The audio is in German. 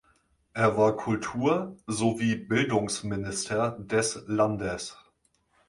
Er war Kultur- sowie Bildungsminister des Landes.